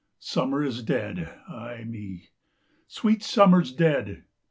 Summer is dead, ay me! sweet Summer's dead!